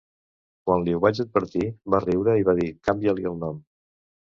Quan li ho vaig advertir, va riure i va dir "Canvia-li el nom".